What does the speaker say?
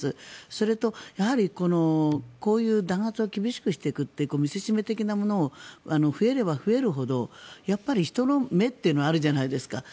それと、こういう弾圧を厳しくしていくという見せしめ的なものが増えれば増えるほどやっぱり人の目というのがあるじゃないですか。